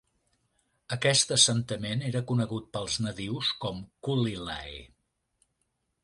Aquest assentament era conegut pels nadius com "Culilay".